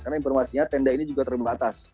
karena informasinya tenda ini juga terbatas